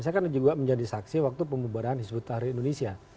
saya kan juga menjadi saksi waktu pembubaran hizbut tahrir indonesia